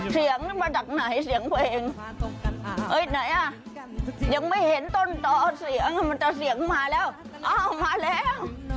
เสียงมาจากไหนเสียงเพลงไหนอ่ะยังไม่เห็นต้นต่อเอาเสียงมันจะเสียงมาแล้วอ้าวมาแล้ว